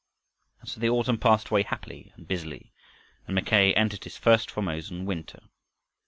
And so the autumn passed away happily and busily, and Mackay entered his first Formosan winter.